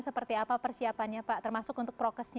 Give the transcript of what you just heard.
seperti apa persiapannya pak termasuk untuk prokesnya